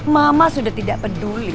mama sudah tidak peduli